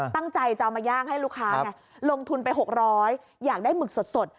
ตั้งใจจะเอามาย่างให้ลูกค้าไงลงทุนไป๖๐๐อยากได้หมึกสด